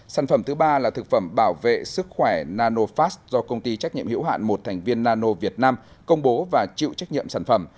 sản phẩm thứ ba là thực phẩm bảo vệ sức khỏe nanofast do công ty trách nhiệm hiểu hạn một thành viên nano việt nam công bố và chịu trách nhiệm sản phẩm